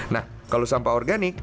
nah kalau sampah organik